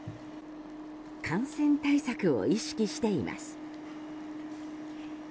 感染対策を意識しています。